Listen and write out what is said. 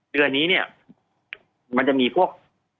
เดือนนี้เนี่ยมันจะมีพวก